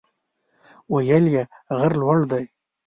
ویل یې غر لوړ دی.